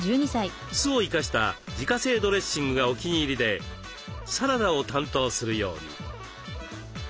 酢を生かした自家製ドレッシングがお気に入りでサラダを担当するように。